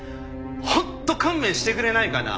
本当勘弁してくれないかな？